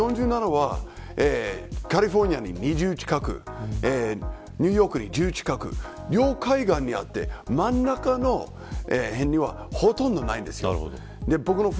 カリフォルニアに２０近くニューヨークに１０近く両海岸にあって、真ん中にはほとんどないんです。